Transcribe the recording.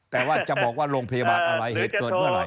แต่ว่าจะบอกว่าโรงพยาบาลอะไรเหตุเกิดเมื่อไหร